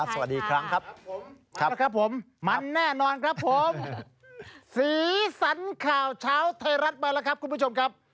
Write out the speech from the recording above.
สวัสดีอีกครั้งครับนะครับผมมันแน่นอนครับผมสีสันข่าวเช้าไทยรัฐมาแล้วครับคุณผู้ชมครับ